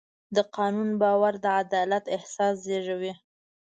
د قانون باور د عدالت احساس زېږوي.